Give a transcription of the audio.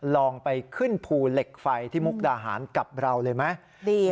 ลองไปขึ้นภูเหล็กไฟที่มุกดาหารกับเราเลยไหม